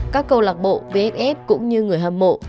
các câu lạc bộ vff cũng như người hâm mộ